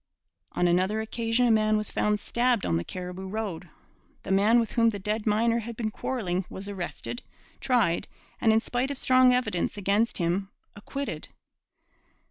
On another occasion a man was found stabbed on the Cariboo Road. The man with whom the dead miner had been quarrelling was arrested, tried, and, in spite of strong evidence against him, acquitted.